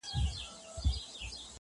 چرته چې لږ قرارېدمه لۀ قراره وتم